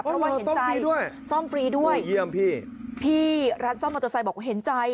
เพราะว่าเห็นใจซ่อมฟรีด้วยพี่ร้านซ่อมมอเตอร์ไซค์บอกว่าเห็นใจ